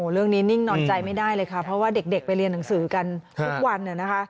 นิ่งนอนใจไม่ได้เลยค่ะเพราะว่าเด็กไปเรียนหนังสือกันทุกวัน